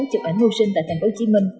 chụp ảnh mưu sinh tại tp hcm